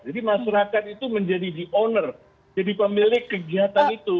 jadi masyarakat itu menjadi the owner jadi pemilik kegiatan itu